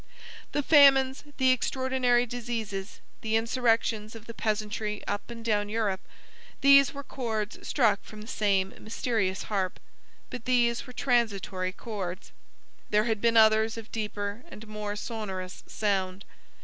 The famines, the extraordinary diseases, the insurrections of the peasantry up and down Europe, these were chords struck from the same mysterious harp; but these were transitory chords. There had been others of deeper and more sonorous sound.